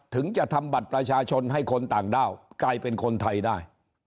ถึงจะทำบัตรประชาชนให้คนต่างด้าวกลายเป็นคนไทยได้